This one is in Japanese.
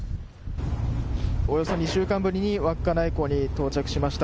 およそ２週間ぶりに稚内港に到着しました。